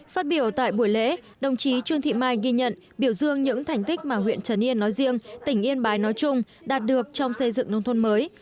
phát biểu tại buổi lễ đồng chí trương thị mai ghi nhận biểu dương những thành tích mà huyện trấn yên nói riêng tỉnh yên bái nói chung đạt được trong xây dựng nông thôn mới